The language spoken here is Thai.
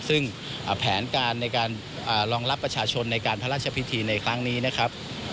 ซึ่งแผนการในการรองรับประชาชนในการพระราชพิธีในครั้งนี้นะครับ